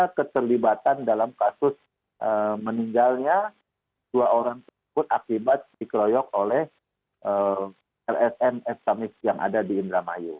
ada keterlibatan dalam kasus meninggalnya dua orang tersebut akibat dikeroyok oleh lsm estamis yang ada di indramayu